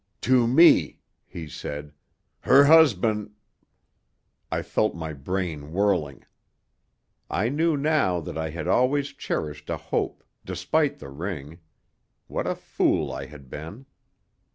"To me," he said. "Her husband " I felt my brain whirling. I knew now that I had always cherished a hope, despite the ring what a fool I had been!